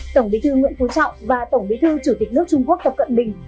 tổng bí thư nguyễn phú trọng và tổng bí thư chủ tịch nước trung quốc tập cận bình